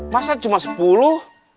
masa cuma sepuluh